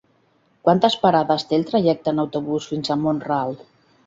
Quantes parades té el trajecte en autobús fins a Mont-ral?